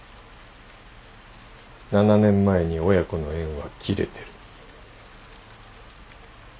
７年前に親子の縁は切れてる。